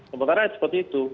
sementara seperti itu